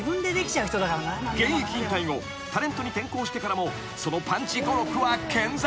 ［現役引退後タレントに転向してからもそのパンチ語録は健在］